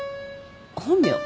本名？